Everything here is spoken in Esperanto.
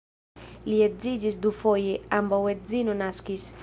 Li edziĝis dufoje, ambaŭ edzinoj naskis.